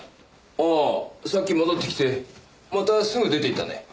ああさっき戻ってきてまたすぐ出ていったね。